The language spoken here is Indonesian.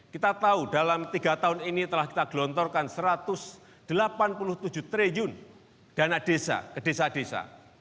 kita tahu dalam tiga tahun ini telah kita gelontorkan rp satu ratus delapan puluh tujuh triliun dana desa ke desa desa